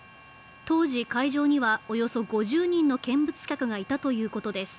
当時、会場にはおよそ５０人の見物客がいたということです。